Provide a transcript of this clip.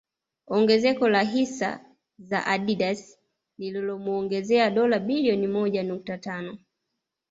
Ongezeko la hisa za Adidas liliomuongezea dola bilioni moja nukta tano